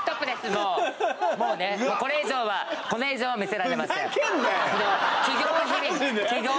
もうもうねこれ以上はこれ以上は見せられませんマジで？